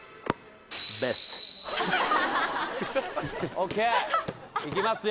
ＯＫいきますよ